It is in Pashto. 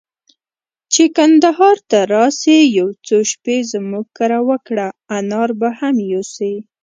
چي کندهار ته راسې، يو څو شپې زموږ کره وکړه، انار به هم يوسې.